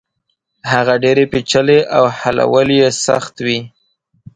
هغه ډېرې پېچلې او حلول يې سخت وي.